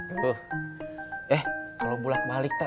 eh kalau bolak balik teh